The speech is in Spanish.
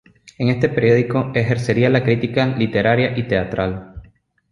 En este periódico ejercería la crítica literaria y teatral.